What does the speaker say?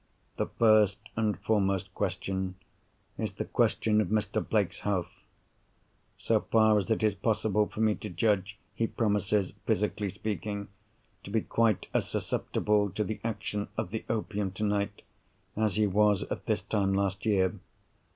The first and foremost question, is the question of Mr. Blake's health. So far as it is possible for me to judge, he promises (physically speaking) to be quite as susceptible to the action of the opium tonight as he was at this time last year.